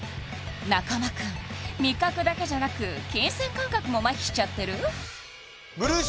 中間くん味覚だけじゃなく金銭感覚もマヒしちゃってる？